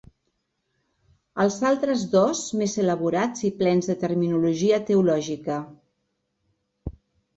Els altres dos més elaborats i plens de terminologia teològica.